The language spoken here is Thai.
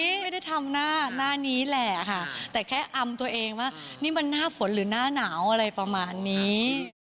ไม่ได้ทำหน้านี้แหละค่ะแต่แค่อำตัวเองว่านี่มันหน้าฝนหรือหน้าหนาวอะไรประมาณนี้